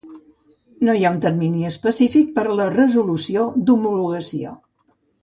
No hi ha un termini específic per a la resolució d'homologació.